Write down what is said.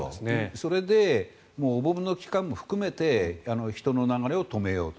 それで、お盆の期間も含めて人の流れを止めようと。